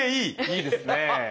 いいですね。